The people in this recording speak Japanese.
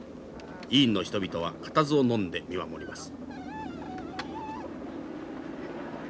委員の人々は固唾をのんで見守ります。